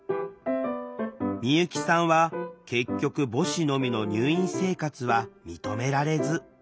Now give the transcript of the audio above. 美由紀さんは結局母子のみの入院生活は認められず。